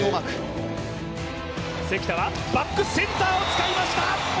関田はバックセンターを使いました。